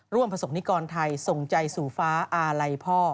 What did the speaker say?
ประสบนิกรไทยส่งใจสู่ฟ้าอาลัยพ่อ